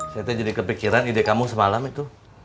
saya tuh jadi kepikiran ide kamu semalam itu